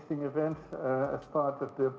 sebagai bagian dari pemerintah